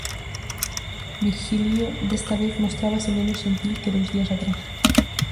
Virgílio desta vez mostrábase menos xentil que dous días atrás.